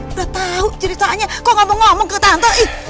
udah tau ceritanya kok gak mau ngomong ke tante